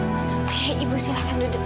oke ibu silakan duduk